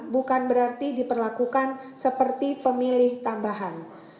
bukan berarti diperlakukan seperti pemilih tambahan